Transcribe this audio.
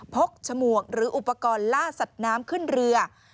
กฉมวกหรืออุปกรณ์ล่าสัตว์น้ำขึ้นเรือ